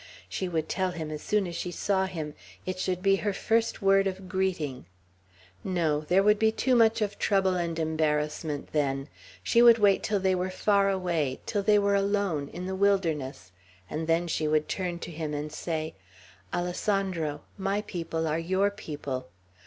She would tell him, as soon as she saw him; it should be her first word of greeting. No! There would be too much of trouble and embarrassment then. She would wait till they were far away, till they were alone, in the wilderness; and then she would turn to him, and say, "Alessandro, my people are your people!"